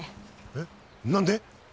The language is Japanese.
えっ何で？